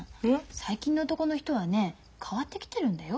最近の男の人はね変わってきてるんだよ。